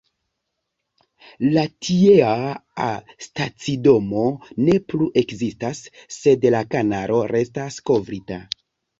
La tiea stacidomo ne plu ekzistas, sed la kanalo restas kovrita.